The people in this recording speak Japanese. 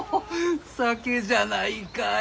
酒じゃないかえ？